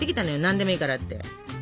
「何でもいいから」って。